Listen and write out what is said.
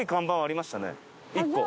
１個。